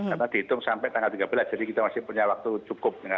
karena dihitung sampai tanggal tiga belas jadi kita masih punya waktu cukup